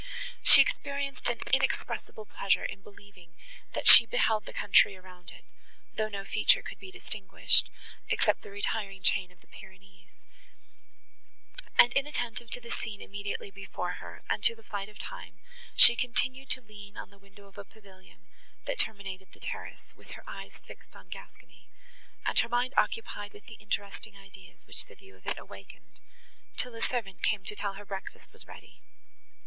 She experienced an inexpressible pleasure in believing, that she beheld the country around it, though no feature could be distinguished, except the retiring chain of the Pyrenees; and, inattentive to the scene immediately before her, and to the flight of time, she continued to lean on the window of a pavilion, that terminated the terrace, with her eyes fixed on Gascony, and her mind occupied with the interesting ideas which the view of it awakened, till a servant came to tell her breakfast was ready.